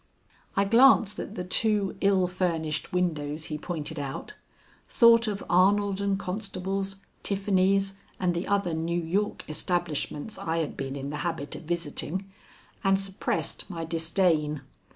I glanced at the two ill furnished windows he pointed out, thought of Arnold & Constable's, Tiffany's, and the other New York establishments I had been in the habit of visiting, and suppressed my disdain.